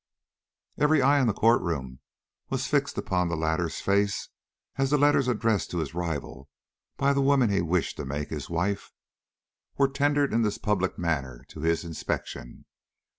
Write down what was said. Every eye in the court room was fixed upon the latter's face, as the letters addressed to his rival by the woman he wished to make his wife, were tendered in this public manner to his inspection.